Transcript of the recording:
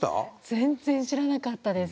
全然知らなかったです。